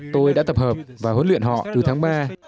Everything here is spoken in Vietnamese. tôi đã tập hợp và huấn luyện họ từ tháng ba